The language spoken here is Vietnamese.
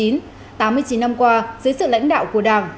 tám mươi chín năm qua dưới sự lãnh đạo của đảng